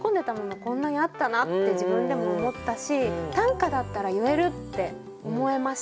こんなにあったなって自分でも思ったし短歌だったら言えるって思えました自分も。